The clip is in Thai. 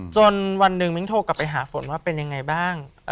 จนวันหนึ่งมิ้งโทรกลับไปหาฝนว่าเป็นยังไงบ้าง